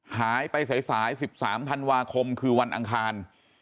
หายไปสาย๑๓ธันวาคมคือวันอังคาร